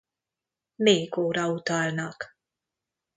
Nékóra utalnak.